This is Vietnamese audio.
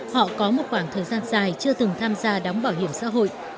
họ có một khoảng thời gian dài chưa từng tham gia đóng bảo hiểm xã hội